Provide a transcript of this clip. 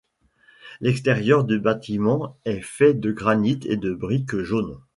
L'extérieur du bâtiment est fait de granit et de briques jaunes.